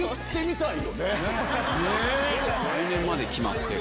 来年まで決まってる。